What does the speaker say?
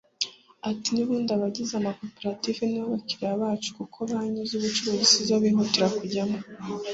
Ati” N’ubundi abagize amakoperative nibo bakiriya bacu kuko Banki z’ubucuruzi si zo bihutira kujyamo